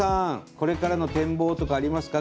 これからの展望とかありますか？